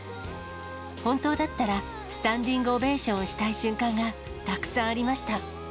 本当だったら、スタンディングオベーションをしたい瞬間がたくさんありました。